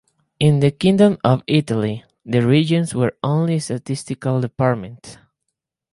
In the Kingdom of Italy the regions were only statistical department.